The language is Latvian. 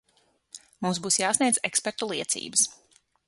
Mums būs jāsniedz ekspertu liecības.